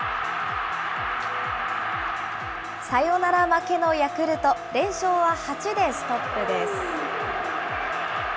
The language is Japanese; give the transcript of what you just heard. サヨナラ負けのヤクルト、連勝は８でストップです。